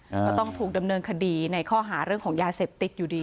ก็ต้องถูกดำเนินคดีในข้อหาเรื่องของยาเสพติดอยู่ดี